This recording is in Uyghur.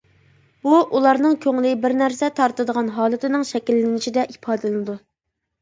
بۇ ئۇلارنىڭ كۆڭلى بىر نەرسە تارتىدىغان ھالىتىنىڭ شەكىللىنىشىدە ئىپادىلىنىدۇ.